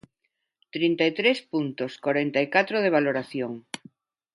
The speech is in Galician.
Trinta e tres puntos, corenta e catro de valoración.